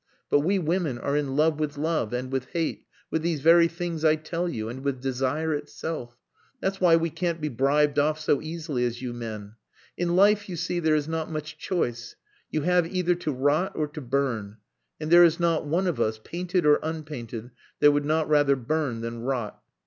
But we women are in love with love, and with hate, with these very things I tell you, and with desire itself. That's why we can't be bribed off so easily as you men. In life, you see, there is not much choice. You have either to rot or to burn. And there is not one of us, painted or unpainted, that would not rather burn than rot."